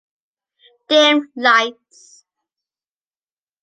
Dim lights!